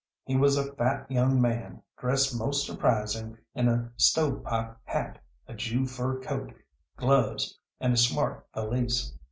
He was a fat young man, dressed most surprising in a stove pipe hat, a Jew fur coat, gloves, and a smart valise.